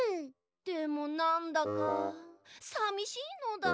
でもなんだかさみしいのだ。